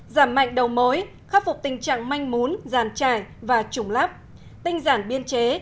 giảm mạnh đầu mối khắc phục tình trạng manh mún giàn trải và trùng lắp tinh giản biên chế